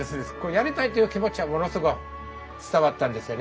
やりたいという気持ちはものすごい伝わったんですよね。